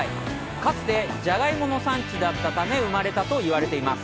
かつて、ジャガイモの産地だったため、生まれたと言われています。